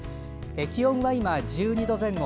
気温は今、１２度前後。